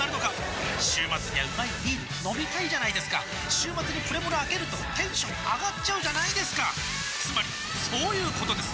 週末にはうまいビール飲みたいじゃないですか週末にプレモルあけるとテンション上がっちゃうじゃないですかつまりそういうことです！